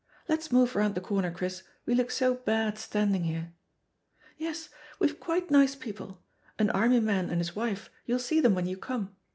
Let's move round the cor ner, Chris, we look so bad standing he re I Yes, weVe quite nice people — an army man and his wife, you'll see them when you come.